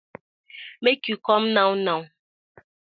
Mak yu com naw naw.